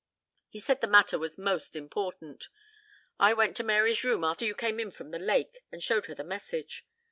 He said the matter was most important. I went to Mary's room after you came in from the lake and showed her the message.